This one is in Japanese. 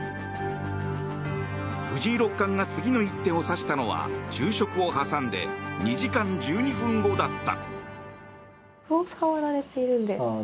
藤井六冠が次の一手を指したのは昼食を挟んで２時間１２分後だった。